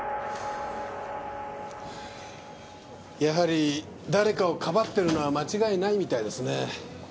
やはり誰かをかばっているのは間違いないみたいですね。